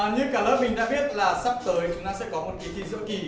như cả lớp mình đã biết là sắp tới chúng ta sẽ có một kỳ thi giữa kỳ